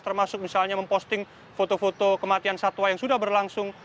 termasuk misalnya memposting foto foto kematian satwa yang sudah berlangsung